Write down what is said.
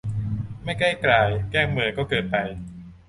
ไม่ใกล้กราย แกล้งเมิน ก็เกินไป